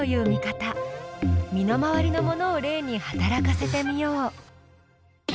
身の回りのものを例に働かせてみよう。